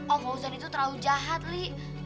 om fauzan itu terlalu jahat li